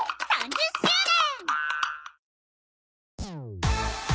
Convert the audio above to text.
３０周年！